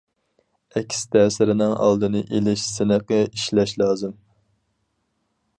ئەكس تەسىرنىڭ ئالدىنى ئېلىش سىنىقى ئىشلەش لازىم.